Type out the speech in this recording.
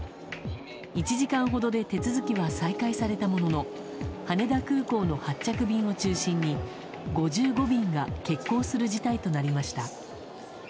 １時間ほどで手続きは再開されたものの羽田空港の発着便を中心に５５便が欠航する事態となりました。